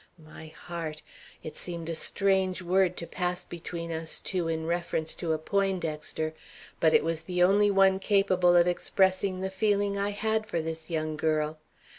My heart! It seemed a strange word to pass between us two in reference to a Poindexter, but it was the only one capable of expressing the feeling I had for this young girl.